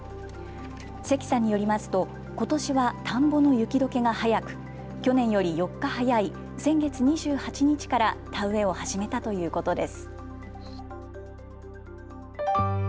関さんによりますと、ことしは田んぼの雪どけが早く去年より４日早い先月２８日から田植えを始めたということです。